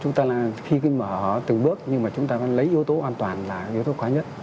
chúng ta khi mở từng bước nhưng mà chúng ta vẫn lấy yếu tố an toàn là yếu tố khó nhất